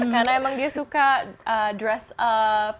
karena memang dia suka dress up